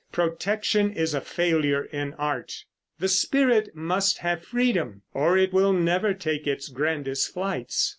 Protection is a failure in art. The spirit must have freedom, or it will never take its grandest flights.